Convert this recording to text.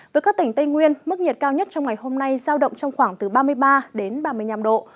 với các tỉnh tây nguyên mức nhiệt cao nhất trong ngày hôm nay giao động trong khoảng từ ba mươi ba đến ba mươi năm độ